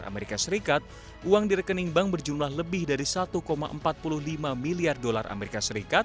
dengan satu dua puluh empat miliar dolar as uang di rekening bank berjumlah lebih dari satu empat puluh lima miliar dolar as